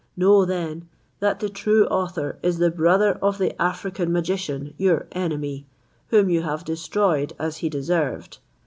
Know then, that the true author is the brother of the African magician, your enemy, whom you have destroyed as he deserved.